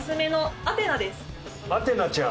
アテナちゃん。